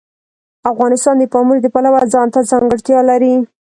افغانستان د پامیر د پلوه ځانته ځانګړتیا لري.